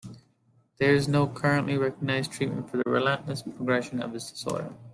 There is no currently recognized treatment for the relentless progression of this disorder.